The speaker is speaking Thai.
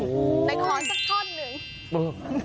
โอ้โหในคลอนสักข้อนหนึ่ง